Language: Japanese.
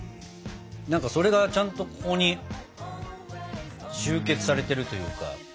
それがちゃんとここに集結されてるというか。